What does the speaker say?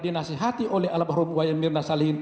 dinasihati oleh alam harum wayamirna salihin